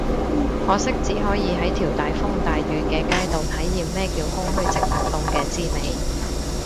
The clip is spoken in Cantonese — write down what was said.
可惜只可以喺條大風大雨嘅街度體驗咩叫空虛寂寞凍嘅滋味